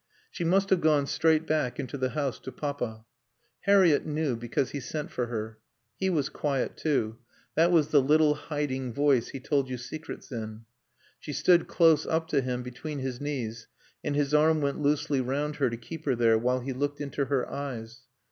She must have gone straight back into the house to Papa. Harriett knew, because he sent for her. He was quiet, too.... That was the little, hiding voice he told you secrets in.... She stood close up to him, between his knees, and his arm went loosely round her to keep her there while he looked into her eyes.